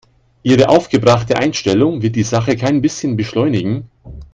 Ihre aufgebrachte Einstellung wird die Sache kein bisschen beschleunigen.